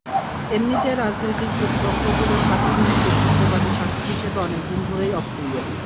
এমনিতে রাজনৈতিক প্রতিপক্ষগুলোর কাছে তিনি কর্তৃত্ববাদী শাসক হিসেবে অনেক দিন ধরেই অপ্রিয়।